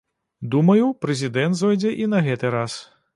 Думаю, прэзідэнт зойдзе і на гэты раз.